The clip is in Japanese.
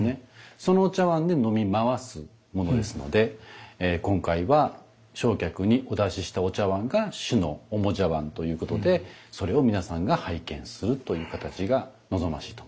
そのお茶碗で飲み回すものですので今回は正客にお出ししたお茶碗が主の主茶碗ということでそれを皆さんが拝見するという形が望ましいと思います。